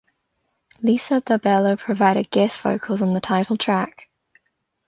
Lisa Dalbello provided guest vocals on the title track.